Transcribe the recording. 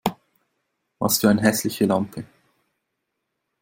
Was für eine hässliche Lampe!